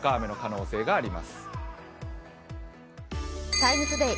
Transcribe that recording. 「ＴＩＭＥ，ＴＯＤＡＹ」